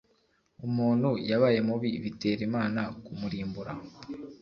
umuntu yabaye mubi bitera imana ku murimbura